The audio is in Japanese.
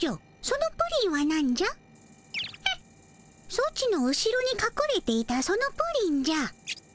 ソチの後ろにかくれていたそのプリンじゃ。